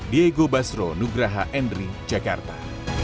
diego basro nugraha endri jakarta